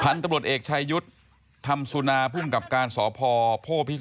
พันธุ์ตำรวจเอกชายุทธ์ทำสุนาพึ่งกับการสอบพอ